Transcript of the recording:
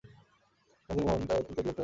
বিনোদিনীর মন আজ অত্যন্ত বিরক্ত হইয়া আছে।